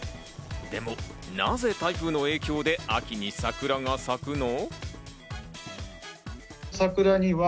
でも、なぜ台風の影響で秋に桜が咲くの？